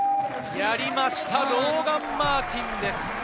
やりました、ローガン・マーティンです。